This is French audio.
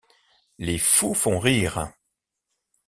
Les fous font rire.